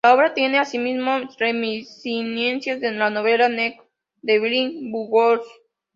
La obra tiene, asimismo, reminiscencias de la novela "Naked Lunch", de William S. Burroughs.